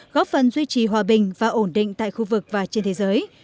góp phần duy trì hòa bình và ổn định tại khu vực và trên thế giới